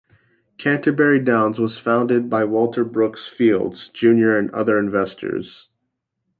Canterbury Downs was founded by Walter Brooks Fields, Junior and other investors.